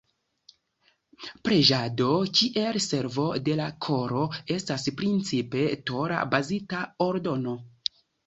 Preĝado —kiel "servo de la koro"— estas principe Tora-bazita ordono.